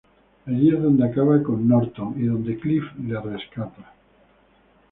Aquí es donde acaba con Norton, y donde Cliff le rescata.